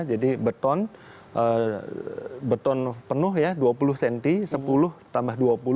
jadi beton penuh ya dua puluh cm sepuluh tambah dua puluh